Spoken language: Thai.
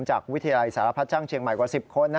จากวิทยาลัยสารพัดช่างเชียงใหม่กว่า๑๐คนนะครับ